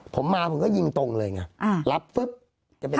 ผมมาผมก็ยิงตรงเลยอย่างเงี้ยรับปุ๊บ